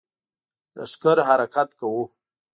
لښکر حرکت کوو.